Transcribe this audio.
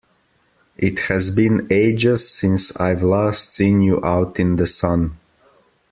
It has been ages since I've last seen you out in the sun!